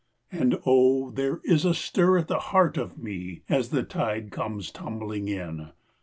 And, oh, there is a stir at the heart of me, As the tide comes tumbling in.